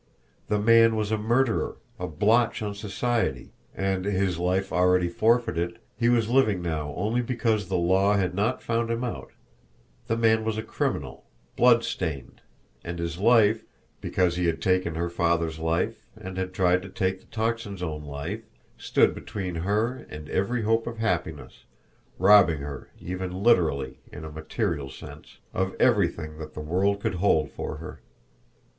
The man was a murderer, a blotch on society, and, his life already forfeited, he was living now only because the law had not found him out the man was a criminal, bloodstained and his life, because he had taken her father's life and had tried to take the Tocsin's own life, stood between her and every hope of happiness, robbing her even literally, in a material sense, of everything that the world could hold for her!